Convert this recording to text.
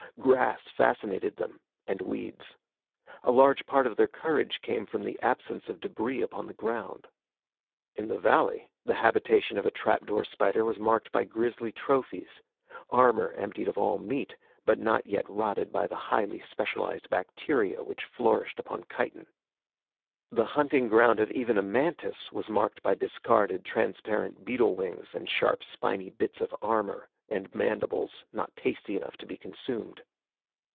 Grass fascinated them, and weeds. A large part of their courage came from the absence of debris upon the ground. In the valley, the habitation of a trapdoor spider was marked by grisly trophies armor emptied of all meat but not yet rotted by the highly specialized bacteria which flourished upon chitin. The hunting ground of even a mantis was marked by discarded, transparent beetle wings and sharp spiny bits of armor, and mandibles not tasty enough to be consumed.